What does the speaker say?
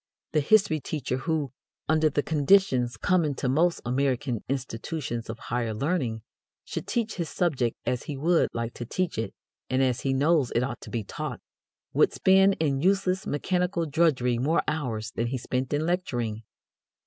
The history teacher who, under the conditions common to most American institutions of higher learning, should teach his subject as he would like to teach it and as he knows it ought to be taught, would spend in useless mechanical drudgery more hours than he spent in lecturing.